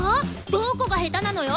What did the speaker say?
どこが下手なのよ！？